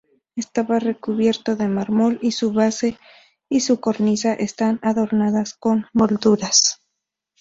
Estaba recubierto de mármol y su base y su cornisa están adornadas con molduras.